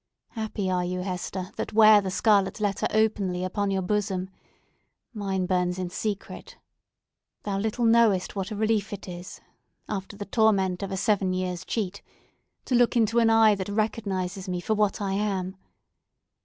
Happy are you, Hester, that wear the scarlet letter openly upon your bosom! Mine burns in secret! Thou little knowest what a relief it is, after the torment of a seven years' cheat, to look into an eye that recognises me for what I am!